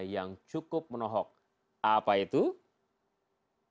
sebelum genau bisa mengadakan tiga tangan